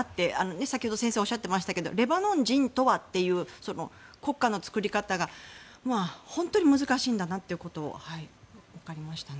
先ほど先生がおっしゃってましたけどレバノン人とはという国家の作り方が、本当に難しいんだなということが分かりました。